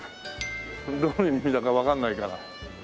どういう意味だかわかんないから。